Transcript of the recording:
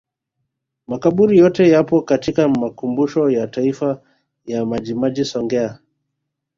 Makaburi yote yapo katika Makumbusho ya Taifa ya Majimaji Songea